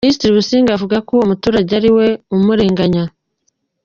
Minisitiri Busingye avuga ko uwo muturage ari we umurenganya.